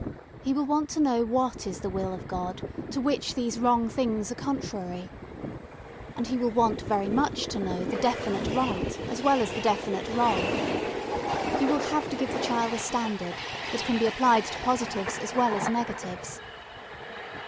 He will want to know what is the will of God, to which these wrong things are contrary. And he will want very much to know the definite right as well as the definite wrong. You will have to give the child a standard that can be applied to positives as well as negatives.